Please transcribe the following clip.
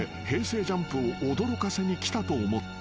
ＪＵＭＰを驚かせに来たと思っている］